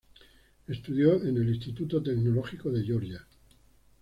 Estudió en el Instituto Tecnológico de Georgia.